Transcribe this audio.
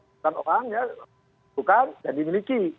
bukan orang bukan dan dimiliki